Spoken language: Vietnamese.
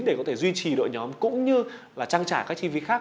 để có thể duy trì đội nhóm cũng như là trăng trả các chi phí khác